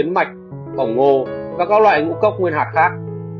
yến mạch bổng ngô và các loại ngũ cốc nguyên hạt khác